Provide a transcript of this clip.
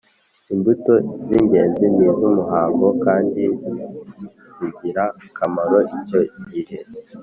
imbuto : iz'ingenzi z'umuhango kandi z'ingirakamaro icyo gihe